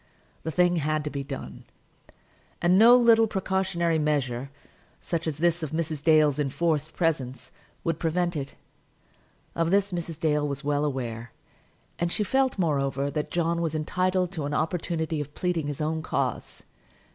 The thing had to be done, and no little precautionary measure, such as this of Mrs. Dale's enforced presence, would prevent it. Of this Mrs. Dale was well aware; and she felt, moreover, that John was entitled to an opportunity of pleading his own cause.